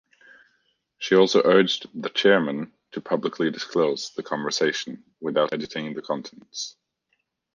She also urged the chairman to publicly disclose the conversation without editing the contents.